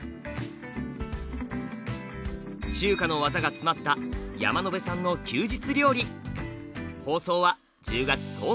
中華の技が詰まった山野辺さんの休日料理。